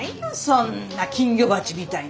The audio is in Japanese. そんな金魚鉢みたいな。